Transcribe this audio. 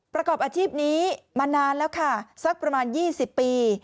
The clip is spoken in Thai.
ประกอบอาชีพนี้มานานแล้วค่ะสักประมาณ๒๐ปี